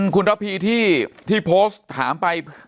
คุณระพีที่โพสต์ถามไป